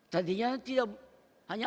tadinya tidak hanya empat